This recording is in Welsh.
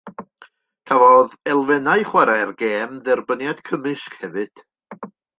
Cafodd elfennau chwarae'r gêm dderbyniad cymysg hefyd.